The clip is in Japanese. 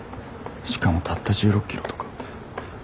しかもたった１６ｋｍとか。